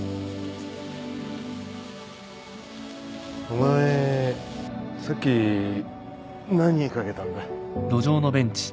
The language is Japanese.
お前さっき何言いかけたんだ？